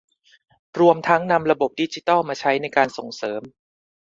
รวมทั้งนำระบบดิจิทัลมาใช้ในการส่งเสริม